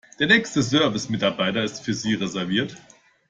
Der nächste Service-Mitarbeiter ist für Sie reserviert.